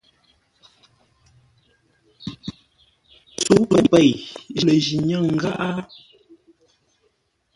Pəsə̌u pêi lə ji nyáŋ gháʼá?